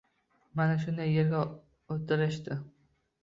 Mana shunday yerga o‘tirishdi.